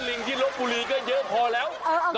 ลิงที่ลบบุรีก็เยอะพอแล้ว